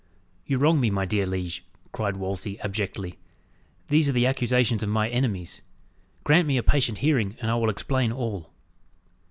"You wrong me, my dear liege," cried Wolsey abjectly. "These are the accusations of my enemies. Grant me a patient hearing, and I will explain all."